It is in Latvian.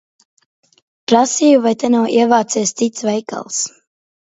Prasīju, vai te nav ievācies cits veikals.